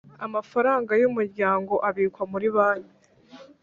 Amafaranga y’Umuryango abikwa muri Banki